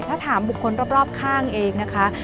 ถ้าถามบุคคลรอบข้างเองนะคะ